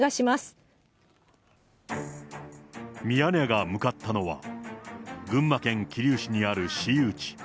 ミヤネ屋が向かったのは、群馬県桐生市にある私有地。